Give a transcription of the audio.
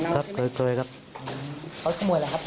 เคยเอาไปแล้วผมไปตามเจอ